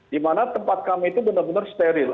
di mana tempat kami itu benar benar steril